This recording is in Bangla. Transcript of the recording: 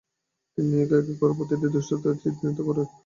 তিনি এক এক করে প্রতিটি বিভাগের দোষত্র‚টি চিহ্নিত করেন।